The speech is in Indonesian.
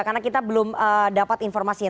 karena kita belum dapat informasinya